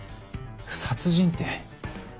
殺人って。